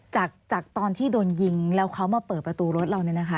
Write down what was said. จากตอนที่โดนยิงแล้วเขามาเปิดประตูรถเราเนี่ยนะคะ